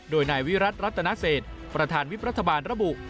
โดยนายวิรัติรัตนเศษประธานวิบรัฐบาลระบุ